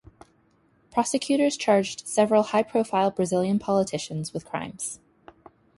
Prosecutors charged several high-profile Brazilian politicians with crimes.